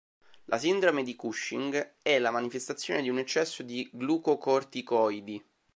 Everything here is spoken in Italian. La sindrome di Cushing è la manifestazione di un eccesso di glucocorticoidi.